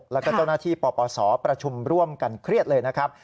แล้วก็เจ้าหน้าที่ปปศประชุมร่วมกันเครียดเลยนะครับ